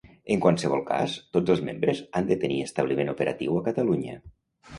En qualsevol cas, tots els membres han de tenir establiment operatiu a Catalunya.